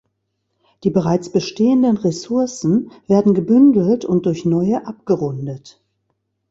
Die bereits bestehenden Ressourcen werden gebündelt und durch neue abgerundet.